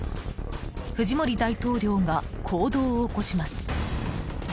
フジモリ大統領が行動を起こします。